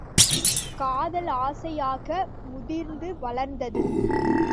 காதல் ஆசையாக முதிர்ந்து வளர்ந்தது.